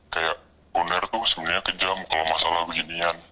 kayak uner tuh sebenarnya kejam kalau masalah beginian